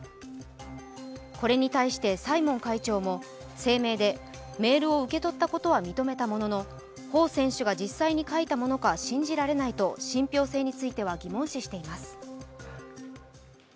これに対してサイモン会長も声明でメールを受け取ったことは認めたものの彭選手が実際に書いたものか信じられないと信ぴょう性については疑問視しています。